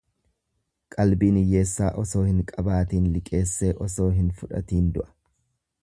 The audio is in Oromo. Qalbiin hiyyeessaa osoo hin qabaatiin liqeessee osoo hin fudhatiin du'a.